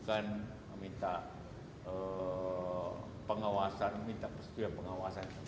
bukan minta pengawasan minta setuju pengawasan